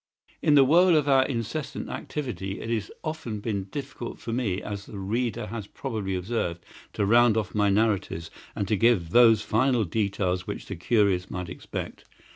In the whirl of our incessant activity it has often been difficult for me, as the reader has probably observed, to round off my narratives, and to give those final details which the curious might expect.